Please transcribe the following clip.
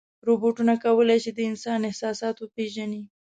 روبوټونه کولی شي د انسان احساسات وپېژني.